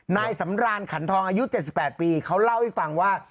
นายสำรานขันทองอายุ๗๘ปีเขาเล่าให้ฟังว่า